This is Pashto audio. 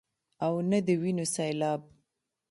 او نۀ د وينو سيلاب ،